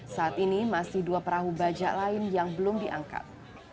saat ini masih dua perahu baja lain yang belum diangkat